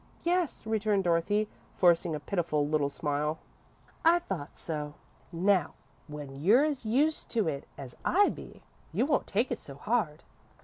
"Yes," returned Dorothy, forcing a pitiful little smile. "I thought so. Now, when you're as used to it as I be, you won't take it so hard.